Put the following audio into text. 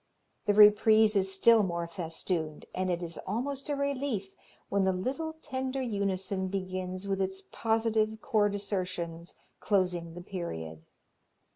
The reprise is still more festooned, and it is almost a relief when the little, tender unison begins with its positive chord assertions closing the period.